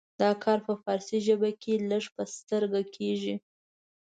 دا کار په فارسي ژبه کې لږ په سترګه کیږي.